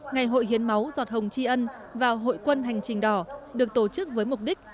ngày hội hiến máu giọt hồng tri ân và hội quân hành trình đỏ được tổ chức với mục đích